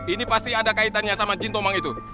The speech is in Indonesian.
ini pasti ada kaitannya sama jin tomang itu